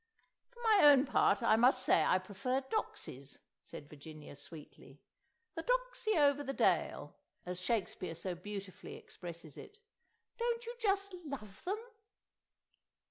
"For my own part, I must say I prefer Doxies," said Virginia sweetly. "'The Doxy over the dale,' as Shakespeare so beautifully expresses it. Don't you just love them?"